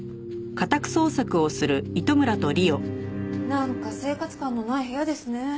なんか生活感のない部屋ですね。